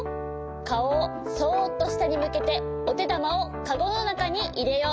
かおをそっとしたにむけておてだまをカゴのなかにいれよう。